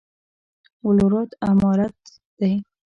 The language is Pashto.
ولورت عمارت دی؟